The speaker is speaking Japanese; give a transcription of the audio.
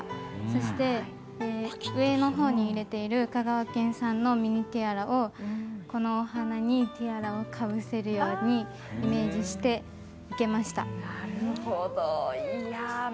そして、上のほうに入れている香川県産のミニティアラを、このお花にティアラをかぶせるようにイメージして生けました。